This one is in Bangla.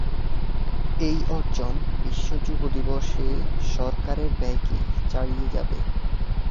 এই অর্জন বিশ্ব যুব দিবসে সরকারের ব্যয়কে ছাড়িয়ে যাবে।